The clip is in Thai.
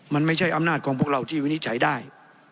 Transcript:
มันไม่ใช่อำนาจของพวกเราที่วินิจฉัยได้